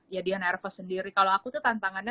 ya di nervous sendiri kalau aku tuh tantangannya